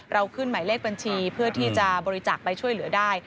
ขึ้นหมายเลขบัญชีเพื่อที่จะบริจาคไปช่วยเหลือได้